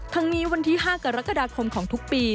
ทั้งนี้วันที่๕กรกฎาคมของทุกปี